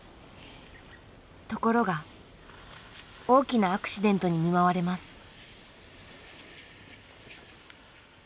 ところが大きなアクシデントに見舞われます。